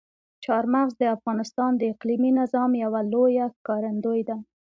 چار مغز د افغانستان د اقلیمي نظام یوه لویه ښکارندوی ده.